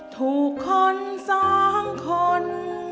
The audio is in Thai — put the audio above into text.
ถูกคนสองคน